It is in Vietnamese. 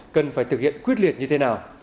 cần phải thực hiện quyết liệt như thế nào